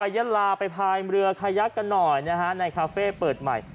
ยะลาไปพายเรือขยักกันหน่อยนะฮะในคาเฟ่เปิดใหม่